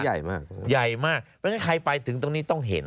แล้วใหญ่มากใหญ่มากไม่ได้ใครไปถึงตรงนี้ต้องเห็น